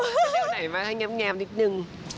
ก็เต้นอันไหนอะไรเท่านี้นายแย่มนิดหนึ่ง